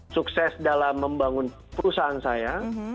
sukses dalam membangun perusahaan saya